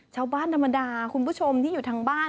ชาวบ้านธรรมดาคุณผู้ชมที่อยู่ทางบ้าน